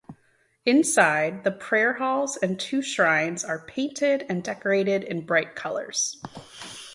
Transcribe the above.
Inside, the prayer halls and two shrines are painted and decorated in bright colours.